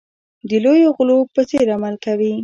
د لویو غلو په څېر عمل کوي.